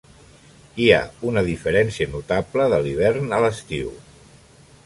Hi ha una diferència notable de l'hivern a l'estiu.